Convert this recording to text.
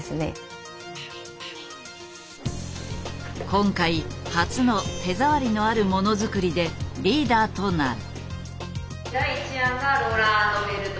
今回初の手触りのある物作りでリーダーとなる。